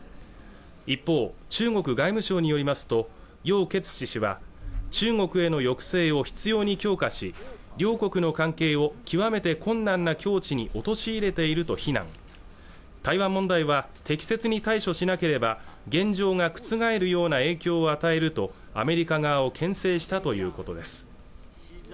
一方中国外務省によりますと楊潔チ氏は中国への抑制を必要に強化し両国の関係を極めて困難な境地に陥れていると非難台湾問題は適切に対処しなければ現状が覆るような影響を与えるとアメリカ側をけん制したということです